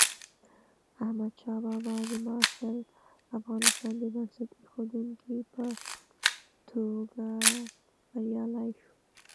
احمدشاه بابا د معاصر افغانستان د بنسټ ایښودونکي په توګه بریالی شو.